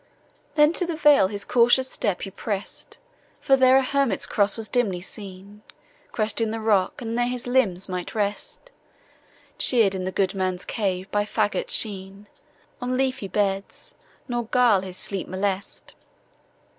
Then to the vale his cautious step he press'd, For there a hermit's cross was dimly seen, Cresting the rock, and there his limbs might rest, Cheer'd in the good man's cave, by faggot's sheen, On leafy beds, nor guile his sleep molest.